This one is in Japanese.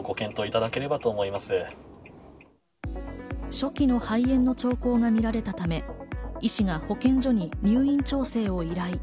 初期の肺炎の兆候が見られたため、医師が保健所に入院調整を依頼。